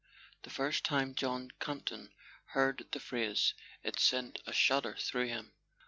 The first time John Campton heard the phrase it sent a shudder through him.